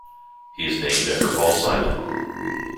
He is named after Paul Simon.